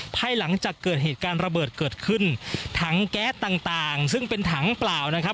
ภายหลังจากเกิดเหตุการณ์ระเบิดเกิดขึ้นถังแก๊สต่างต่างซึ่งเป็นถังเปล่านะครับ